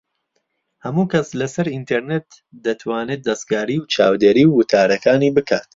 ھەموو کەس لە سەر ئینتەرنێت دەتوانێت دەستکاری و چاودێریی وتارەکانی بکات